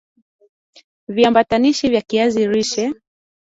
Viambaupishi vya kiazi lishe